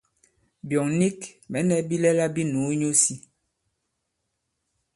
Byɔ̂ŋ nik mɛ̌ nɛ̄ bilɛla bī nùu nyu isī.